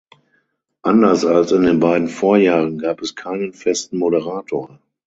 Anders als in den beiden Vorjahren gab es keinen festen Moderator.